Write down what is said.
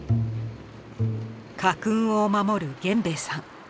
家訓を守る源兵衛さん